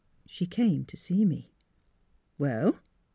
" She came to see me." ''Well?"